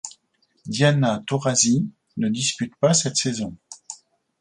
Diana Taurasi ne dispute pas cette saison.